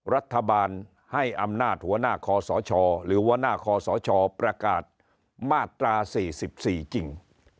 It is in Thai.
รัฐบาลให้อำนาจหัวหน้าคอสชหรือว่าหน้าคอสชประกาศมาตรา๔๔จริง